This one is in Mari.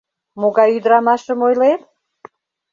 Могай ӱдырамашым ойлет?